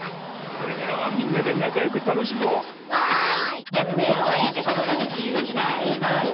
これからはみんなでなかよくたのしもう！わい！